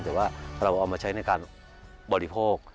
แต่ว่าเราเอามาใช้ในการบริโภค